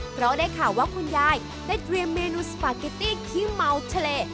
เพราะได้ข่าวว่าคุณยายได้เตรียมเมนูสปาเกตตี้ขี้เมาทะเล